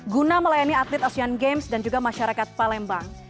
guna melayani atlet asean games dan juga masyarakat palembang